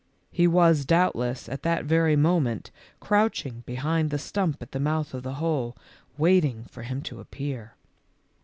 He was, doubtless, at that very moment crouching behind the stump at the mouth of the hole, waiting for him to appear.